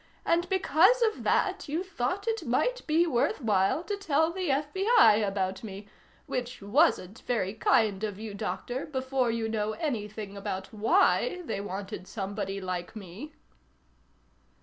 And because of that you thought it might be worthwhile to tell the FBI about me which wasn't very kind of you, Doctor, before you know anything about why they wanted somebody like me."